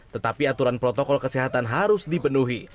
tetapi aturan protokol kesehatan harus dipenuhi